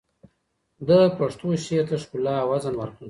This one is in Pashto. ده پښتو شعر ته ښکلا او وزن ورکړ